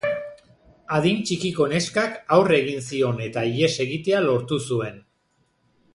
Adin txikiko neskak aurre egin zion eta ihes egitea lortu zuen.